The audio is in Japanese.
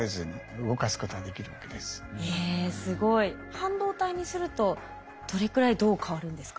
半導体にするとどれくらいどう変わるんですか？